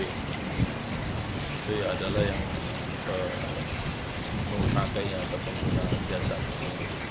ini adalah yang diamankan adalah penyelenggaraan jasa